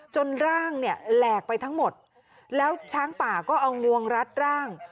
ร่างเนี่ยแหลกไปทั้งหมดแล้วช้างป่าก็เอางวงรัดร่าง